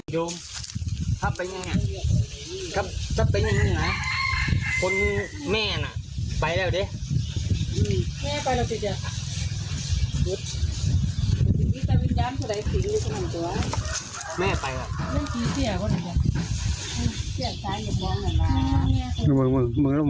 โยมครับไปไงครับครับไปไงคนแม่น่ะไปแล้วดิอืมแม่ไปแล้วที่จะ